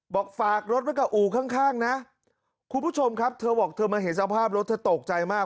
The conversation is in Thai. ฝากรถไว้กับอู่ข้างข้างนะคุณผู้ชมครับเธอบอกเธอมาเห็นสภาพรถเธอตกใจมาก